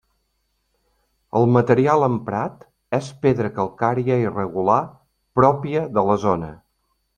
El material emprat és pedra calcària irregular pròpia de la zona.